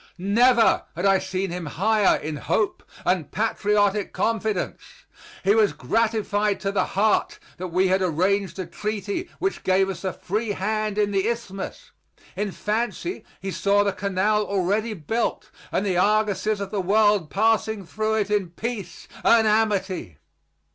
Never had I seen him higher in hope and patriotic confidence. He was gratified to the heart that we had arranged a treaty which gave us a free hand in the Isthmus. In fancy he saw the canal already built and the argosies of the world passing through it in peace and amity.